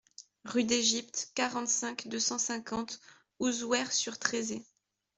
Rue d'Égypte, quarante-cinq, deux cent cinquante Ouzouer-sur-Trézée